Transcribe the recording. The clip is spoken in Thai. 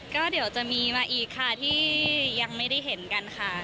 ก็เดี๋ยวจะมีมาอีกค่ะที่ยังไม่ได้เห็นกันค่ะ